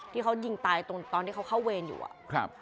ที่เขายิงตายตอนที่เขาเข้าเวรอยู่ค่ะ